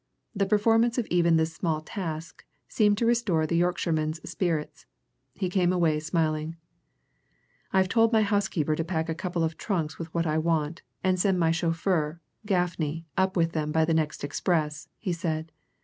The performance of even this small task seemed to restore the Yorkshireman's spirits he came away smiling. "I've told my housekeeper to pack a couple of trunks with what I want, and to send my chauffeur, Gaffney, up with them, by the next express," he said.